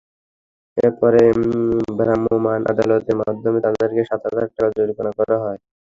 পরে ভ্রাম্যমাণ আদালতের মাধ্যমে তাঁদেরকে সাত হাজার টাকা জরিমানা করা হয়।